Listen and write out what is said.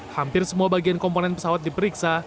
hampir semua bagian komponen pesawat diperiksa